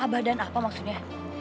abah dan apa maksudnya